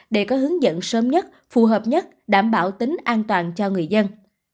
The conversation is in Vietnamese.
để có hướng dẫn sớm nhất phù hợp nhất đảm bảo tính an toàn cho người dân